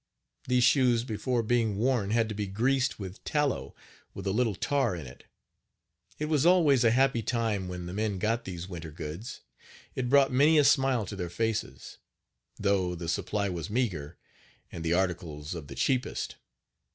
These shoes before being worn had to be greased with tallow, with a little tar in it. It was always a happy time when the men got these winter goods it brought many a smile to their faces, though the supply was meager and the articles of the cheapest.